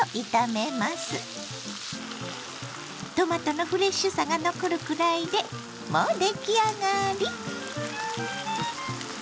トマトのフレッシュさが残るくらいでもう出来上がり！